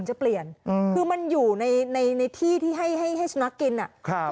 มันจะเปลี่ยนคือมันอยู่ในที่ที่ให้สุนัขกินน่ะ